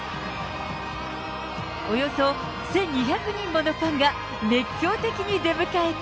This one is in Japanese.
およそ１２００人ものファンが、熱狂的に出迎えた。